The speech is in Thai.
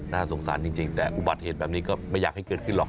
น่าสงสารจริงแต่อุบัติเหตุแบบนี้ก็ไม่อยากให้เกิดขึ้นหรอก